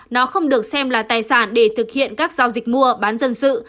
nó không được xem là tài sản để thực hiện các giao dịch mua bán dân sự